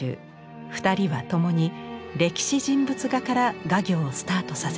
二人はともに歴史人物画から画業をスタートさせました。